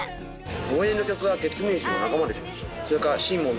応援の曲はケツメイシの仲間でしょ。